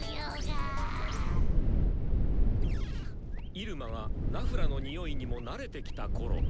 入間がナフラのニオイにも慣れてきたころ。